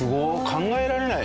考えられない。